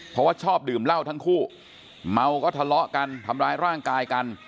เพราะว่าชอบดื่มเหล้าทั้งคู่เมาก็ทะเลาะกันทำร้ายร่างกายกัน